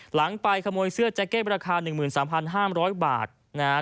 หลังไปขโมยเสื้อแจ็กเก็ตปราคาหนึ่งหมื่นสามพันห้ามร้อยบาทนะฮะ